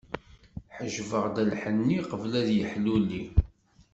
Ḥejbeɣ-d lḥenni, qbel ad yeḥluli.